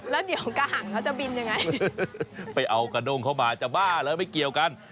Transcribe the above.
แล้วเดี๋ยวกระหังเขาจะบินยังไงไปเอากระด้งเข้ามาจะบ้าแล้วไม่เกี่ยวกัน